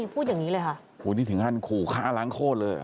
นี่พูดอย่างงี้เลยค่ะโหนี่ถึงอันขู่ฆ่าล้างโคตรเลย